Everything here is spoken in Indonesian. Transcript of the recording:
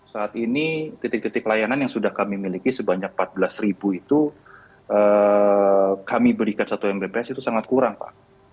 saat ini titik titik layanan yang sudah kami miliki sebanyak empat belas ribu itu kami berikan satu mbps itu sangat kurang pak